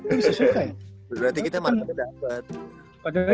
berarti kita marketnya dapet